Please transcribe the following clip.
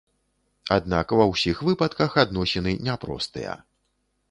Аднак ва ўсіх выпадках адносіны няпростыя.